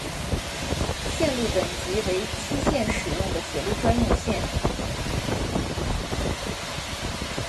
线路等级为限期使用的铁路专用线。